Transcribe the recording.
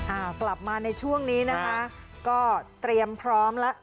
อ่ากลับมาในช่วงนี้นะคะก็เตรียมพร้อมแล้ว